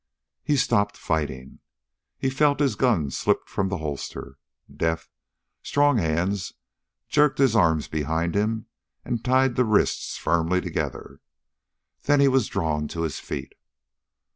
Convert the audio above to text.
He stopped fighting. He felt his gun slipped from the holster. Deft, strong hands jerked his arms behind him and tied the wrists firmly together. Then he was drawn to his feet.